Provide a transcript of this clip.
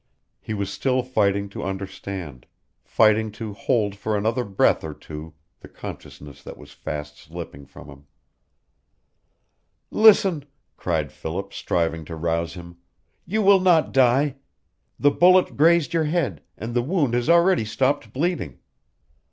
He was still fighting to understand, fighting to hold for another breath or two the consciousness that was fast slipping from him. "Listen," cried Philip, striving to rouse him. "You will not die. The bullet grazed your head, and the wound has already stopped bleeding.